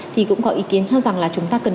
thì cũng có ý kiến cho rằng là chúng ta cần